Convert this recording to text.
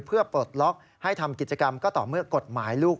เพื่อปลดล็อกให้ทำกิจกรรมก็ต่อเมื่อกฎหมายลูก